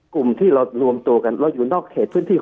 คุณหมอประเมินสถานการณ์บรรยากาศนอกสภาหน่อยได้ไหมคะ